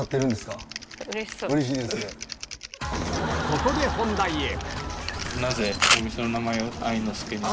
ここでえ！